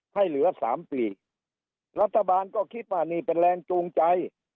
ให้เหลือสามปีรัฐบาลก็คิดว่านี่เป็นแรงจูงใจ